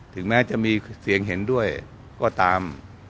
ถึงแม้จะมีเสียงเห็นด้วยก็ตาม